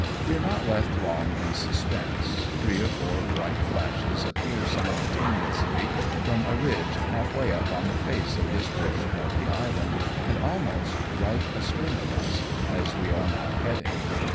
"We are not left long in suspense, three or 28 AMONG TYPHOONS AND PIRATE CRAFT. four bright flashes appear simultaneously from a ridge half way up on the face of this portion of the island and almost right astern of us, as we are now heading.